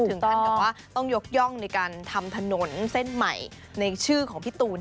ถึงขั้นกับว่าต้องยกย่องในการทำถนนเส้นใหม่ในชื่อของพี่ตูน